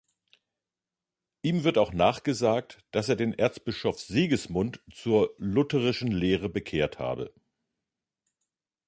Ihm wird auch nachgesagt, dass er den Erzbischof Sigismund zur lutherischen Lehre bekehrt habe.